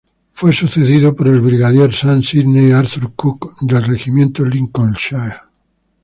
Fue sucedido por el brigadier Sam Sidney Arthur Cooke del Regimiento Lincolnshire.